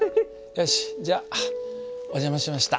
よしじゃお邪魔しました。